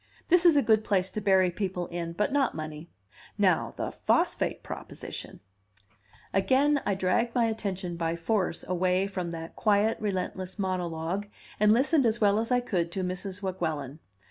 This is a good place to bury people in, but not money. Now the phosphate proposition " Again I dragged my attention by force away from that quiet, relentless monologue, and listened as well as I could to Mrs. Weguelin.